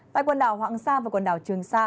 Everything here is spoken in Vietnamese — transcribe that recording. tại quần đảo hoàng sa và quần đảo trường sa